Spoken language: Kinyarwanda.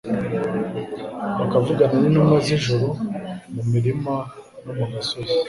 bakavugana n'intumwa z'ijuru mu mirima no mu gasozi